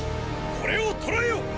これを捕らえよ！